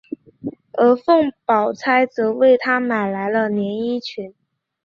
而凤宝钗则为他买来了连衣裙。